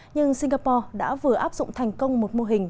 nhưng singapore đã vừa áp dụng thành công một mô hình